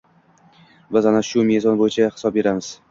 Biz ana shu mezon bo‘yicha hisob beramiz.